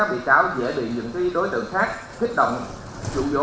bị cáo hết lớp mới phổ thông rồi